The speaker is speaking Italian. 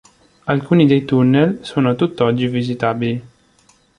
Alcuni dei tunnel sono a tutt'oggi visitabili.